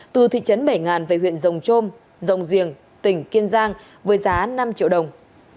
từ thị trấn bảy về huyện rồng trôm rồng riềng tỉnh kiên giang với giá năm triệu đồng